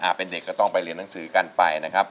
เป็นเด็กก็ต้องไปเรียนหนังสือกันไปนะครับ